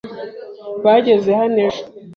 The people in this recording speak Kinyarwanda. Bageze hano ejo.